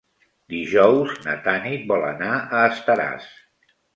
Dijous na Tanit vol anar a Estaràs.